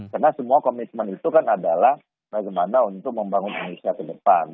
karena semua komitmen itu kan adalah bagaimana untuk membangun indonesia ke depan